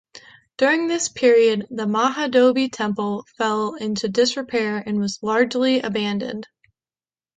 During this period, the Mahabodhi Temple fell into disrepair and was largely abandoned.